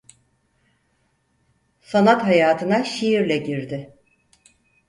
Sanat hayatına şiirle girdi.